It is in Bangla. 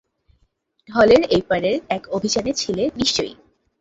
ঢলের এইপারের এক অভিযানে ছিলে নিশ্চয়ই।